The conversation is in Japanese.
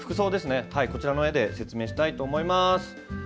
こちらの絵で説明したいと思います。